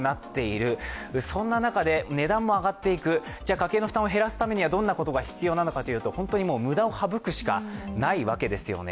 家計の負担を減らすためにはどうすればいいかというと、無駄を省くしかないわけですよね。